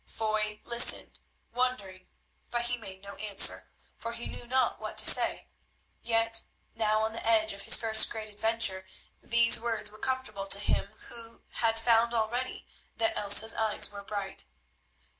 Foy listened, wondering, but he made no answer, for he knew not what to say. Yet now, on the edge of his first great adventure, these words were comfortable to him who had found already that Elsa's eyes were bright.